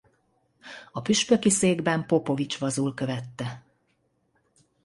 A püspöki székben Popovics Vazul követte.